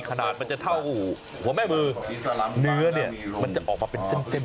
มันจะเท่าหัวแม่มือเนื้อเนี่ยมันจะออกมาเป็นเส้น